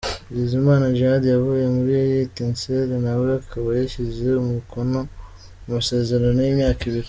Bizimana Djihad yavuye muri Etincelles nawe akaba yashyize umukono ku masezerano y’imyaka ibiri.